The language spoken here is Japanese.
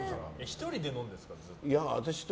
１人で飲んでるんですか？